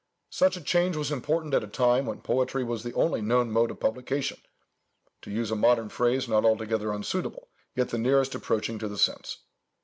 Such a change was important at a time when poetry was the only known mode of publication (to use a modern phrase not altogether suitable, yet the nearest approaching to the sense).